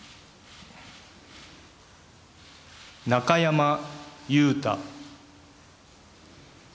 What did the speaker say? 中山雄太。